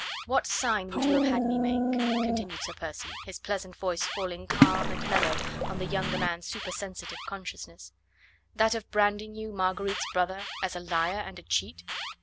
"What sign would you have had me make?" continued Sir Percy, his pleasant voice falling calm and mellow on the younger man's supersensitive consciousness: "That of branding you, Marguerite's brother, as a liar and a cheat?"